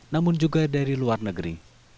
namun juga dari luar negeri